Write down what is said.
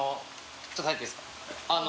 ちょっと入っていいですかⅣ